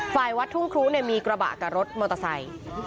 ฝ่ายวัดทุ่งครูมีกระบะกับรถมอเตอร์ไซค์